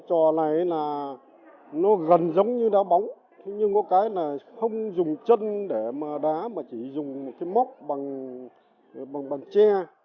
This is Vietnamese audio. trò này gần giống như đá bóng nhưng có cái là không dùng chân để mà đá mà chỉ dùng một cái móc bằng tre